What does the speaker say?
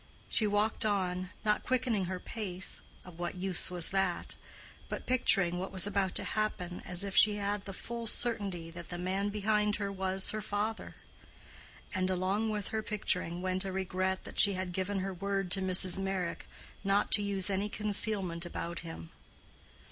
She walked on, not quickening her pace—of what use was that?—but picturing what was about to happen as if she had the full certainty that the man behind her was her father; and along with her picturing went a regret that she had given her word to Mrs. Meyrick not to use any concealment about him.